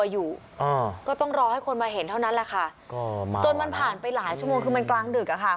อยู่อ่าก็ต้องรอให้คนมาเห็นเท่านั้นแหละค่ะจนมันผ่านไปหลายชั่วโมงคือมันกลางดึกอะค่ะ